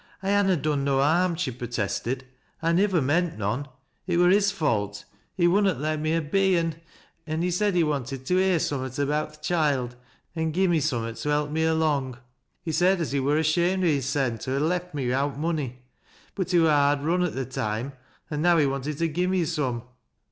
" I ha' na done no harm," she protested. " I niwoj meant none. It wur his fault. He wunnot let me a be, an' — an' he said he wanted to hear summat about tb" 'jhoild, an' gi'e me summat to help me along. He said at he wur ashamed o' hissen to ha' left me wi'out money, but he wur hard run at the toime, an' now he wanted to gi' me some."